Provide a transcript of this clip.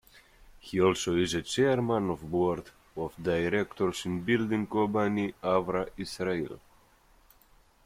He also is a chairman of board of directors in building company Aura Israel.